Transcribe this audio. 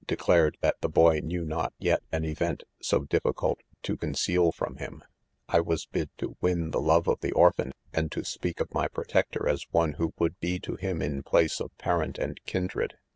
declar f ed' that the boy knew not yet an event so dif _ :iicult to conceal from him* 1 was bid to wia 'the love of the orphan, and to speak of my pro ' EflEQGUE. 219 tector as one who would be to him in place of paMnt and kindred.